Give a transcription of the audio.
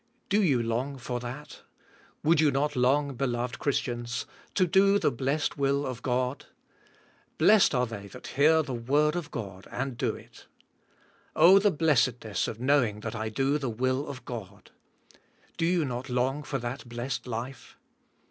Do you long* for that? Would not you long , beloved Christians, to do the blessed will of God? "Blessed are the} that hear the word of God and do it." Oh, the blessedness of knowing that I do the will of God! Do you not long for that blessed life?